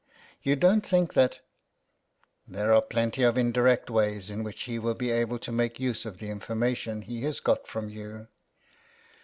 You don't think that "" There are plenty of indirect ways in which he will be able to make use of the information he has got from you."